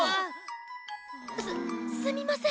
すすみません！